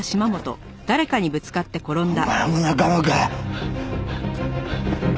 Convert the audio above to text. お前も仲間か？